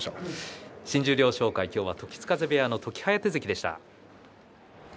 新十両紹介、時津風部屋の時疾風関でした。